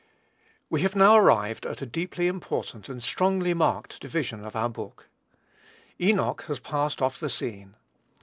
We have now arrived at a deeply important and strongly marked division of our book. Enoch has passed off the scene.